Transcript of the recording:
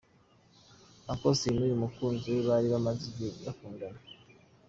Uncle Austin n'uyu mukunzi we bari bamaze igihe bakundana.